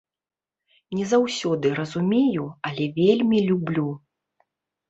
Не заўсёды разумею, але вельмі люблю.